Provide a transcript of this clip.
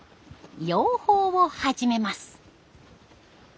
養蜂を始めます。